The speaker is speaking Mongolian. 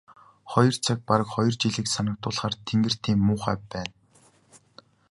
Хоёр цаг бараг хоёр жилийг санагдуулахаар тэнгэр тийм муухай байна.